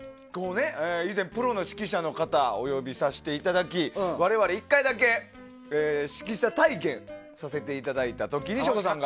以前、プロの指揮者の方をお呼びさせていただき我々、１回だけ指揮者体験させていただいた時に省吾さんが。